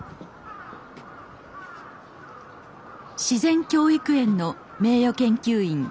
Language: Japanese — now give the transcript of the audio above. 自然教育園の名誉研究員